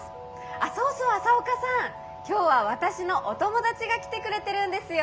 あっそうそう朝岡さん。今日は私のお友達が来てくれてるんですよ。